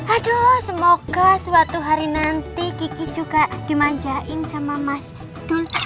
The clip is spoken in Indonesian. aduh semoga suatu hari nanti kiki juga dimanjain sama mas dul